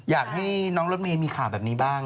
อยากให้น้องรถเมย์มีข่าวแบบนี้บ้าง